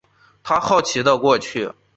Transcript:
他好奇的过去